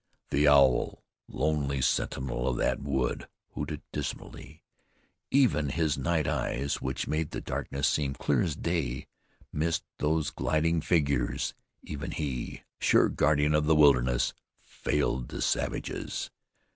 The owl, lonely sentinel of that wood, hooted dismally. Even his night eyes, which made the darkness seem clear as day, missed those gliding figures. Even he, sure guardian of the wilderness, failed the savages.